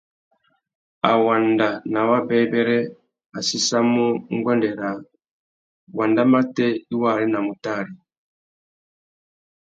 A wanda nà wabêbêrê, a séssamú nguêndê râā : wanda matê i wô arénamú tari ?